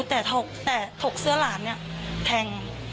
แต่ถกเสื้อหลานเนี่ยแทง